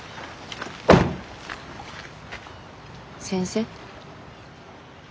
先生？